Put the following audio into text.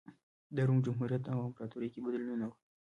د روم جمهوریت او امپراتورۍ کې بدلونونه و